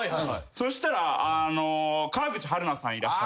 そしたら川口春奈さんいらっしゃって。